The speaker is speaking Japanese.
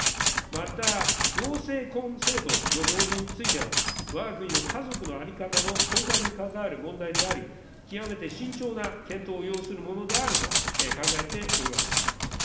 また同性婚制度の導入については、わが国の家族の在り方の根幹にかかわる問題であり、極めて慎重な検討を要するものであると考えております。